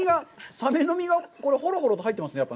サメの身がホロホロと入ってますね。